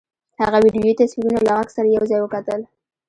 هغه ويډيويي تصويرونه له غږ سره يو ځای وکتل.